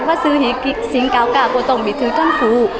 và sự hi sinh cao cả của cố tổng bí thư trần phú